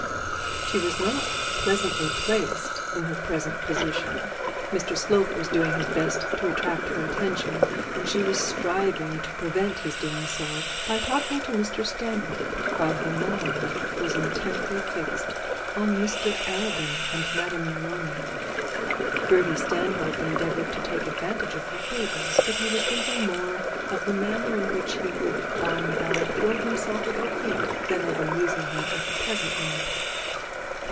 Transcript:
She was not pleasantly placed in her present position. Mr Slope was doing his best to attract her attention; and she was striving to prevent his doing so by talking to Mr Stanhope, while her mind was intently fixed on Mr Arabin and Madame Neroni. Bertie Stanhope endeavoured to take advantage of her favours, but he was thinking more of the manner in which he would by and by throw himself at her feet, than of amusing her at the present moment.